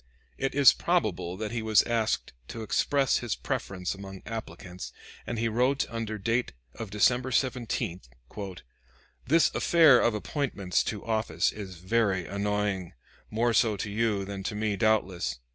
It is probable that he was asked to express his preference among applicants, and he wrote under date of December 17: "This affair of appointments to office is very annoying more so to you than to me doubtless.